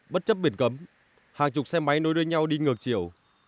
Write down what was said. bất chấp biển cấm hàng chục xe máy nối đôi nhau đi ngược chiều